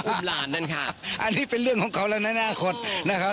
หลานนั่นค่ะอันนี้เป็นเรื่องของเขาแล้วนะอนาคตนะครับ